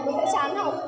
nó sẽ chán học